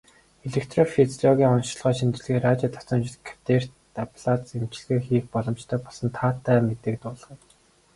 Электрофизиологийн оношилгоо, шинжилгээ, радио давтамжит катетр аблаци эмчилгээг хийх боломжтой болсон таатай мэдээг дуулгая.